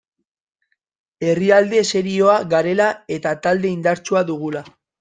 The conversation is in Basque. Herrialde serioa garela eta talde indartsua dugula.